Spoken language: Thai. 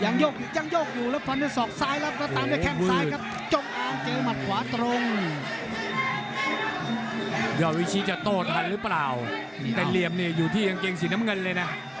นี่จะโตทันหรือเปล่าแล้วเรียบเนี่ยอยู่ที่กางเกงสีน้ำเงินเลยน่ะ